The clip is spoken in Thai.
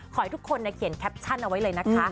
ขอให้ทุกคนเขียนแคปชั่นเอาไว้เลยนะคะ